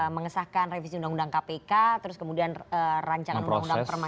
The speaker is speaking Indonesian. mengesahkan revisi undang undang kpk terus kemudian rancangan undang undang permainan